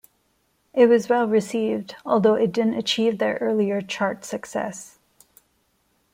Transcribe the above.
It was well received, although it didn't achieve their earlier chart success.